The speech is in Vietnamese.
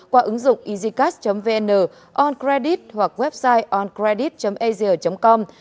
qua ứng dụng easycas vn oncredit hoặc website oncredit asia com